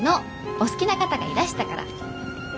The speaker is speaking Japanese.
お好きな方がいらしたから！